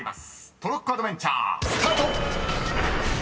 トロッコアドベンチャースタート！］